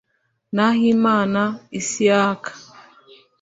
Nahimana Isiaka